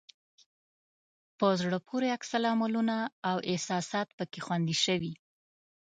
په زړه پورې عکس العملونه او احساسات پکې خوندي شوي.